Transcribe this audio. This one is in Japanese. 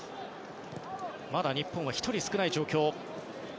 まだ日本は１人少ない状況。